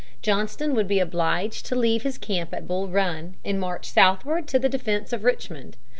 Johnston would be obliged to leave his camp at Bull Run and march southward to the defense of Richmond.